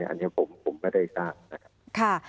อันนี้ผมไม่ได้ทราบนะครับ